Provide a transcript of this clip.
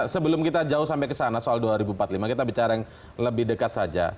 sebelum kita jauh sampai ke sana soal dua ribu empat puluh lima kita bicara yang lebih dekat saja